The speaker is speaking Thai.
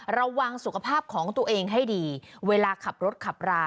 ระวังสุขภาพของตัวเองให้ดีเวลาขับรถขับรา